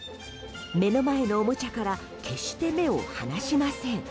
目の前のおもちゃから決して目を離しません。